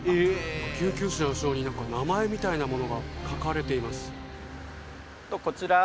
救急車の後ろに何か名前みたいなものが書かれています。